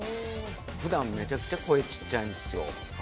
ふだんめちゃくちゃ声ちっちゃいんですよ。